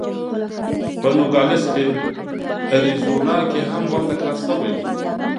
په نوګالس اریزونا کې هم ورته کار شوی و.